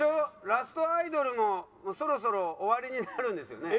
ラストアイドルもそろそろ終わりになるんですよね？